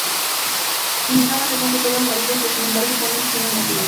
Indignada, lo cuenta todo al marido, que sin embargo, pone fin al matrimonio.